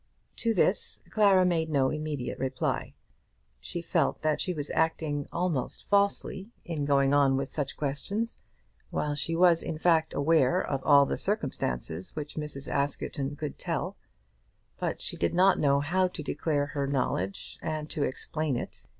To this Clara made no immediate reply. She felt that she was acting almost falsely in going on with such questions, while she was in fact aware of all the circumstances which Mrs. Askerton could tell; but she did not know how to declare her knowledge and to explain it.